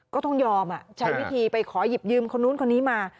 ก็ต้องยอมใช้วิธีไปขอหยิบยืมคนนู้นคนนี้มา